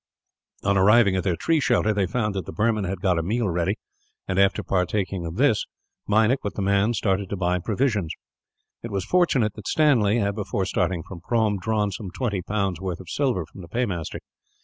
On arriving at their tree shelter, they found that the Burman had got a meal ready and, after partaking of this, Meinik, with the man, started to buy provisions. It was fortunate that Stanley had, before starting from Prome, drawn some twenty pounds' worth of silver from the paymaster.